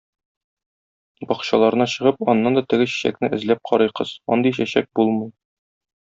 Бакчаларына чыгып, аннан да теге чәчәкне эзләп карый кыз, андый чәчәк булмый.